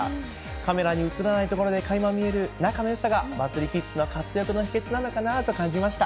カメラに映らないところでかいま見える仲のよさがバズりキッズの活躍の秘訣なのかなと感じました。